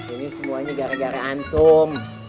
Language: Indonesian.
ini semuanya gara gara antum